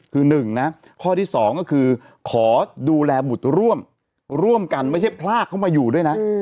คือหนึ่งนะข้อที่๒ก็คือขอดูแลบุตรร่วมกันไม่ใช่พลากเข้ามาอยู่ด้วยนะ